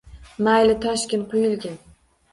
Mayli, toshgin, quyilgin.